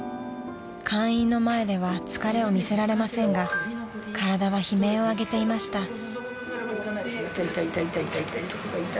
［会員の前では疲れを見せられませんが体は悲鳴を上げていました］